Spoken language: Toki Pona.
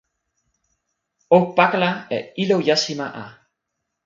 o pakala e ilo jasima a!